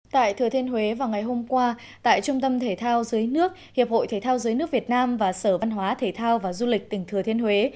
tại thừa thiên huế vào ngày hôm qua tại trung tâm thể thao dưới nước hiệp hội thể thao dưới nước việt nam và sở văn hóa thể thao và du lịch tỉnh thừa thiên huế